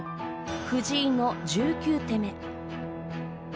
藤井の１９手目。